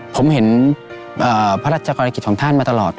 ผมเห็นพระราชกรณีกิจของท่านมาตลอด